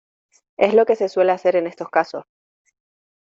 es lo que se suele hacer en estos casos.